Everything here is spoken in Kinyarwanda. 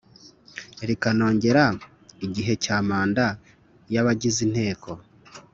rikanongera igihe cya manda y abayigize inteko